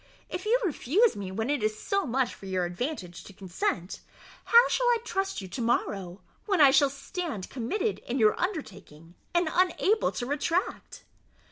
If you refuse me when it is so much for your advantage to consent, how shall I trust you to morrow, when I shall stand committed in your undertaking, and unable to retract?"